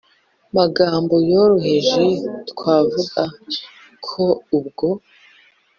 magambo yoroheje twavuga ko ubwo